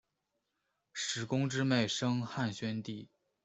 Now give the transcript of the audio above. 史恭之妹生汉宣帝。